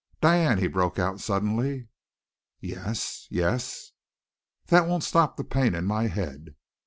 "Diane!" he broke out suddenly. "Yes yes." "That won't stop the pain in my head."